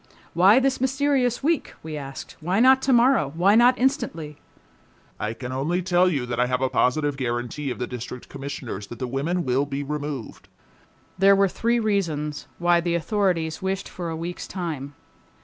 "Why this mysterious week?" we asked. "Why not tomorrow? Why not instantly?" "I can only tell you that I have a positive guarantee of the District Commissioners that the women will be removed," he said in conclusion. We refused to grant his request. There were three reasons why the authorities wished for a week's time.